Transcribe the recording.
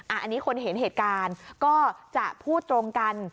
อันนี้คนเห็นเหตุการณ์ก็จะพูดตรงกัน